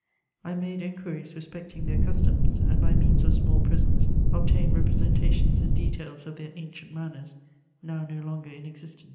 I made inquiries respecting their customs ; and by means of small presents obtained representations and details of their ancient manners, now no longer in existence.